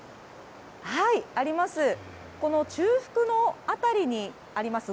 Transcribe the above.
あります、中腹の辺りにあります